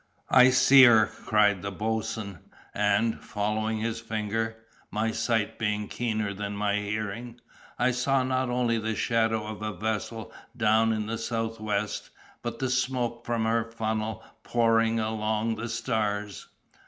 "I see her!" cried the boatswain; and, following his finger (my sight being keener than my hearing), I saw not only the shadow of a vessel down in the south west, but the smoke from her funnel pouring along the stars.